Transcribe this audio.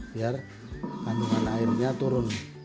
biar kandungan airnya turun